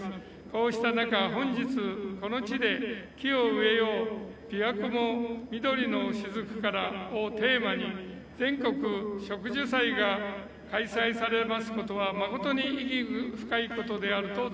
こうした中本日この地で「木を植えようびわ湖も緑のしずくから」をテーマに全国植樹祭が開催されますことはまことに意義深いことであると存じます。